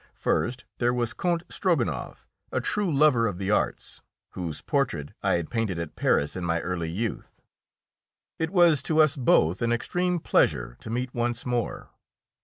First, there was Count Strogonoff, a true lover of the arts, whose portrait I had painted at Paris in my early youth. It was to us both an extreme pleasure to meet once more.